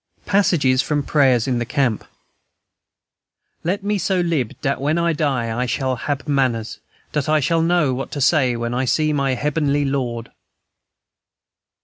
Passages from prayers in the camp: "Let me so lib dat when I die I shall hab manners, dat I shall know what to say when I see my Heabenly Lord."